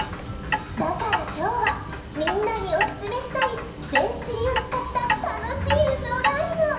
だからきょうはみんなにおすすめしたい全身をつかったたのしい運動があるの！